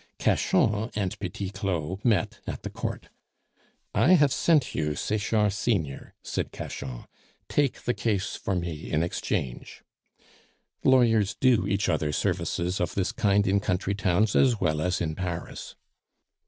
Cachan and Petit Claud met at the Court. "I have sent you Sechard senior," said Cachan; "take the case for me in exchange." Lawyers do each other services of this kind in country towns as well as in Paris.